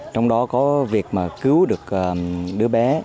trong đó có việc cứu được đứa bé